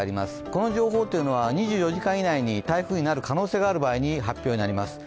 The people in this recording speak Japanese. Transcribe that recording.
この情報というのは２４時間以内に台風になる可能性があるときに発表になります。